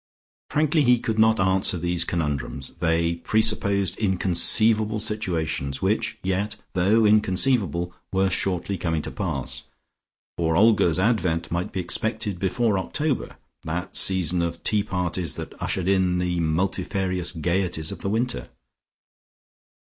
Frankly he could not answer these conundrums: they presupposed inconceivable situations, which yet, though inconceivable, were shortly coming to pass, for Olga's advent might be expected before October, that season of tea parties that ushered in the multifarious gaieties of the winter.